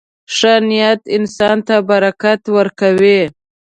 • ښه نیت انسان ته برکت ورکوي.